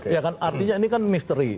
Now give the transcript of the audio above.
ya kan artinya ini kan misteri